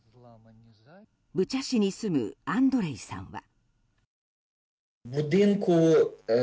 ブチャ市に住むアンドレイさんは。